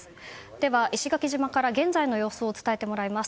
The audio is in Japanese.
では、石垣島から現在の様子を伝えてもらいます。